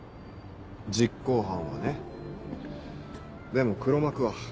実行犯はねでも黒幕は？